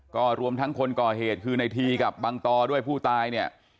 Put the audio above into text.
ก็รวมทั้งคนก่อเหตุคือในทีกับบังตอด้วยผู้ตายเนี่ย